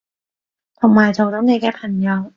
同埋做到你嘅朋友